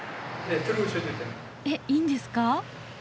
えっいいんですか？